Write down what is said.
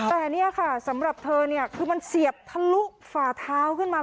แต่เนี่ยค่ะสำหรับเธอเนี่ยคือมันเสียบทะลุฝ่าเท้าขึ้นมา